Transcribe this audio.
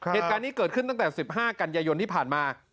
เหตุการณ์นี้เกิดขึ้นตั้งแต่๑๕กันยายนที่ผ่านมา